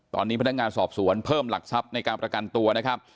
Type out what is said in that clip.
ตอนนี้พนักงานสอบสวนเพิ่มหลักทรัพย์ในการประกันตัวนะครับ